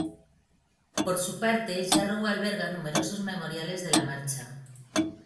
Por su parte, Jarrow alberga numerosos memoriales de la marcha.